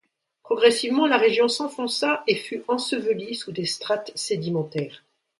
Progressivement, la région s'enfonça et fut ensevelie sous des strates sédimentaires.